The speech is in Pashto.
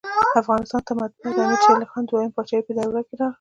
افغانستان ته مطبعه دامیر شېرعلي خان د دوهمي پاچاهۍ په دوران کي راغله.